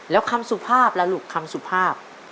แล้วคำสุภาพล่ะลูกคำสุภาพ